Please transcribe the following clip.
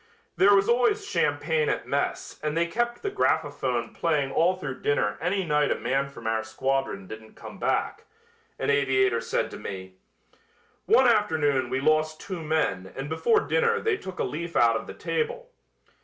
"There was always champagne at mess and they kept the graphophone playing all through dinner any night a man from our squadron didn't come back," an aviator said to me. "One afternoon we lost two men and before dinner they took a leaf out of the table.